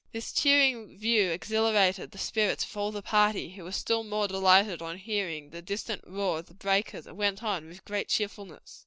This cheering view exhilarated the spirits of all the party, who were still more delighted on hearing the distant roar of the breakers, and went on with great cheerfulness."